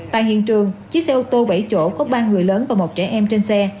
tại hiện trường chiếc xe ô tô bảy chỗ có ba người lớn và một trẻ em trên xe